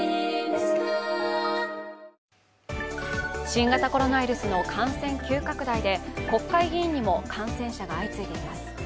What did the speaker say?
新型コロナウイルスの感染急拡大で国会議員にも感染者が相次いでいます。